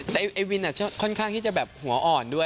แต่ไอ้วินค่อนข้างที่จะแบบหัวอ่อนด้วย